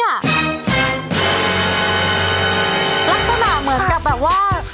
ลักษณะเหมือนกับแบบว่า